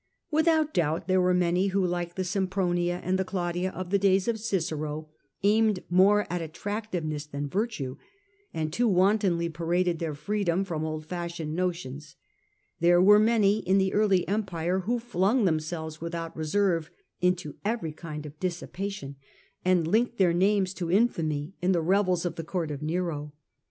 Without doubt there were many who, like the Sempronia and the Claudia of the days of Cicero, aimed more at attractiveness than virtue, and too wantonly paraded their freedom from old fashioned notions ; there were many in the early Empire who flung themselves without reserve into every kind of dissipation, and linked their names to infamy in the revels of the court of Nero.